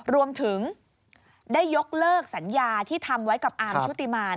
รวมถึงได้ยกเลิกสัญญาที่ทำไว้กับอาร์มชุติมาร